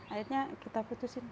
akhirnya kita putusin